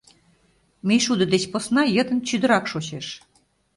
Мӱйшудо деч посна йытын чӱдырак шочеш.